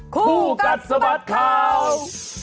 คู่กัดสะบัดข่าว